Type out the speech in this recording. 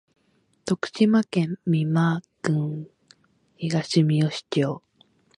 徳島県美馬郡東みよし町